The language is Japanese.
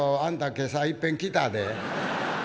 今朝いっぺん来たで」。